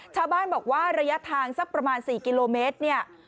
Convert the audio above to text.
ชาวบ้านบอกว่าระยะทางสักประมาณ๔กิโลเมตรเนี่ย